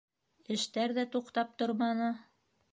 Эштәр ҙә туҡтап торманы.